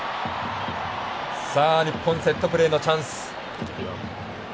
日本セットプレーのチャンス。